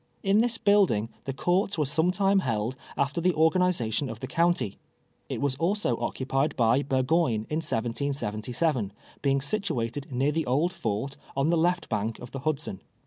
In this building the courts were sometime held after the organization of the county. It was also occupied by ]?urgoyne in 1777, being situated near the old Fort on the left bank of the Ihulsuu.